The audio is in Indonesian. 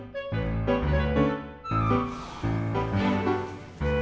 mas satu sendok ya